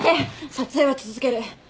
撮影は続ける。